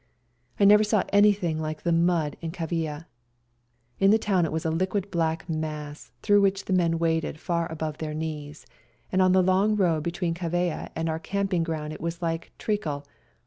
I never saw anything like the mud in Kavaia ; in the town it was a liquid black mass, through which men waded far above their knees, and on the long road between Kavaia and our camping ground it was like treacle.